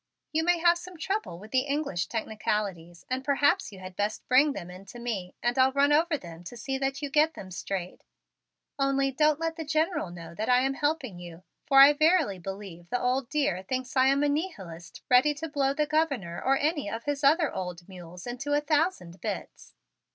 You may have some trouble with the English technicalities and perhaps you had best bring them in to me and I'll run over them to see that you get them straight. Only don't let the General know that I am helping you, for I verily believe the old dear thinks I am a nihilist ready to blow the Governor or any of his other old mules into a thousand bits."